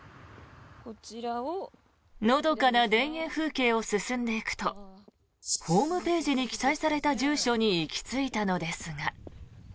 のどかな田園風景を進んでいくとホームページに記載された住所に行き着いたのですが。